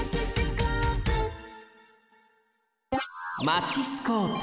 マチスコープ。